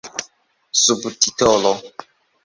subtitolo